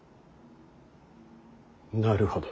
なるほど。